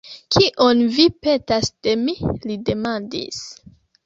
Kion vi petas de mi? li demandis.